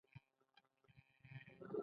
موږ افغانان خپل متعفنه هوا مغزو ته ختلې.